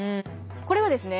これはですね